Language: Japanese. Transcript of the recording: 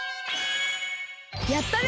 やったね！